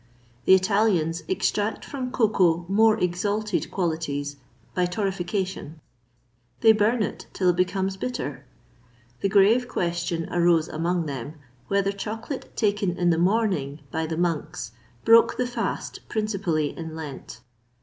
The Italians extract from cocoa more exalted qualities by torrefication: they burn it till it becomes bitter. The grave question arose among them, whether chocolate taken in the morning by the monks broke the fast principally in Lent.